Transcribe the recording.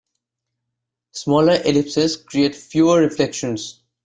Smaller ellipses create fewer reflections.